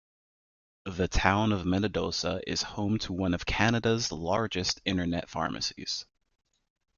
The town of Minnedosa is home to one of Canada's largest internet pharmacies.